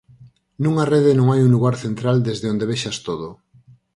Nunha rede non hai un lugar central desde onde vexas todo.